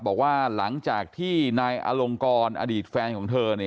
บอกว่าหลังจากที่นายอลงกรอดีตแฟนของเธอ